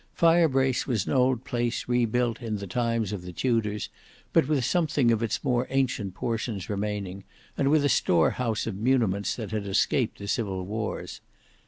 Firebrace was an old place rebuilt in the times of the Tudors, but with something of its more ancient portions remaining, and with a storehouse of muniments that had escaped the civil wars.